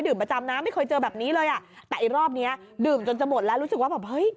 ประจำนะไม่เคยเจอแบบนี้เลยอ่ะแต่ไอ้รอบเนี้ยดื่มจนจะหมดแล้วรู้สึกว่าแบบเฮ้ย